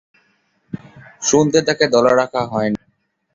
শুরুতে তাকে দলে রাখা হয়নি।